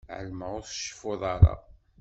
Ɛelmeɣ ur tceffuḍ ara.